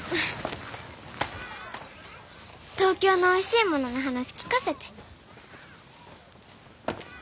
東京のおいしいものの話聞かせて。